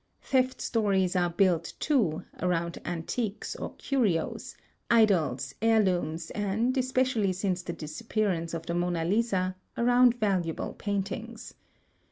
Theft stories are built, too, around antiques or curios, idols, heiriooms, and, especially since the disappearance of the Mona Lisa, aroimd valuable paintings.